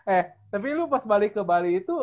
eh tapi lu pas balik ke bali itu